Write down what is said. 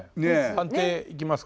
判定いきますか？